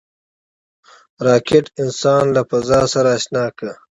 راکټ انسان له فضا سره اشنا کړ